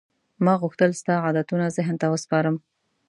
ما غوښتل ستا عادتونه ذهن ته وسپارم.